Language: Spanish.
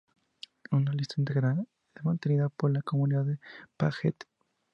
Una lista integral es mantenida por la comunidad dPacket.org